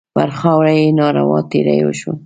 پر خاوره یې ناروا تېری وشو.